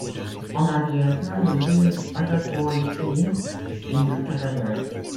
En arriere-plan les îles d'Agakauitai et de Taravai.